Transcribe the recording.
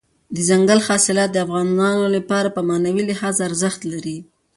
دځنګل حاصلات د افغانانو لپاره په معنوي لحاظ ارزښت لري.